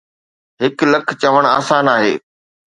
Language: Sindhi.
هڪ لک چوڻ آسان آهي.